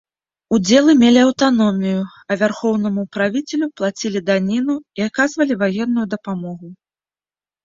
Удзелы мелі аўтаномію, а вярхоўнаму правіцелю плацілі даніну і аказвалі ваенную дапамогу.